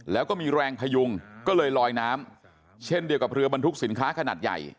แล้วก็มีแรงพยุงก็เลยลอยน้ำเช่นเดียวกับเรือบรรทุกสินค้าขนาดใหญ่